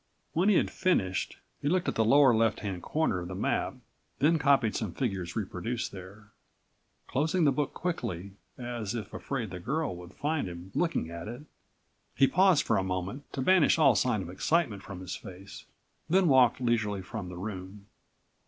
When he had finished, he looked at the lower left hand corner of the map, then copied some figures reproduced there. Closing the book quickly, as if afraid the girl would find him looking at it, he paused for a second to banish all sign of excitement from his face, then walked leisurely from the room.